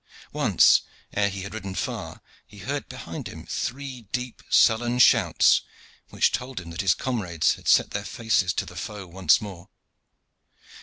Once, ere he had ridden far, he heard behind him three deep, sullen shouts, which told him that his comrades had set their faces to the foe once more.